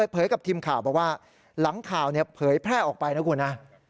เผยกับทีมข่าวบอกว่าหลังข่าวเผยแพร่ออกไปนะคุณนะ